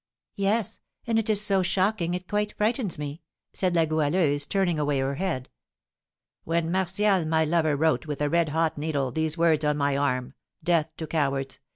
"Yes; and it is so shocking, it quite frightens me," said La Goualeuse, turning away her head. "When Martial, my lover, wrote, with a red hot needle, these words on my arm, 'Death to Cowards!'